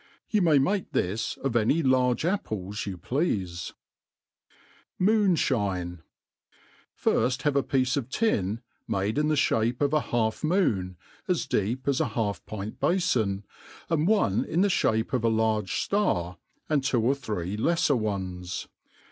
You may make ^is qf any large apples you pleafe, / MooH'Shinim FIRST have a piece of tin, made in the (hapeof a half moon, as deep as a half pint bafon, and one in the (hape of a large ftar, and two or three leffer ones.